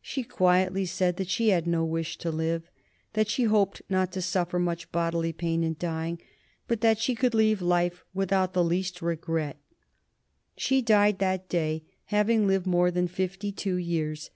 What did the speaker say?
She quietly said that she had no wish to live, that she hoped not to suffer much bodily pain in dying, but that she could leave life without the least regret. She died that day, having lived more than fifty two years.